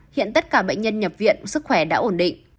hiện tất cả bệnh nhân nhập viện sức khỏe đã ổn định